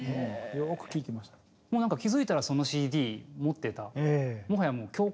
もうなんか気付いたらそのＣＤ持ってた。